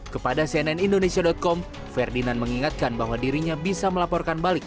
kepada cnn indonesia com ferdinand mengingatkan bahwa dirinya bisa melaporkan balik